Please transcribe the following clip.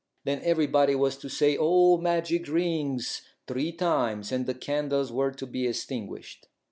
Then everybody was to say, "O magic rings!" three times, and the candles were to be extinguished.